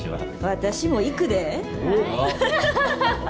私も行くで。